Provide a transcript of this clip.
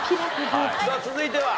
さあ続いては。